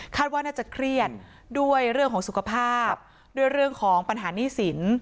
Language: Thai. ว่าน่าจะเครียดด้วยเรื่องของสุขภาพด้วยเรื่องของปัญหาหนี้สิน